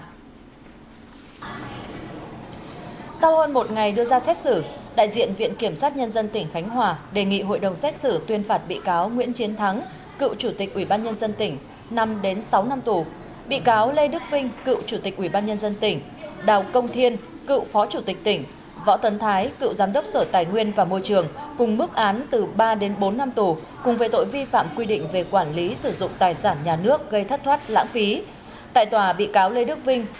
tòa án nhân dân tỉnh khánh hòa tiếp tục phiên tòa xét xử sơ thẩm ngày thứ hai đối với bốn bị cáo liên quan trong vụ án vi phạm quy định về quản lý sử dụng tài sản nhà nước gây thất thoát lãng phí xảy ra tại dự án hai mươi tám e trần phú tp nhcm